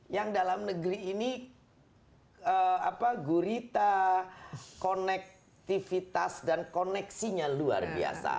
yang dalam negeri ini gurita konektivitas dan koneksinya luar biasa